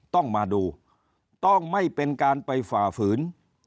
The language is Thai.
ต้องมาดูต้องไม่เป็นการไปฝ่าฝืน